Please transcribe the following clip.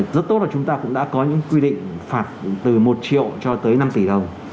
rất tốt là chúng ta cũng đã có những quy định phạt từ một triệu cho tới năm tỷ đồng